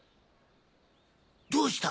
どうした？